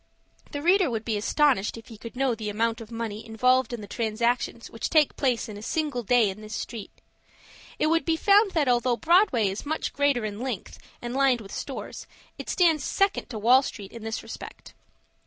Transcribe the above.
The reader would be astonished if he could know the amount of money involved in the transactions which take place in a single day in this street. It would be found that although Broadway is much greater in length, and lined with stores, it stands second to Wall Street in this respect.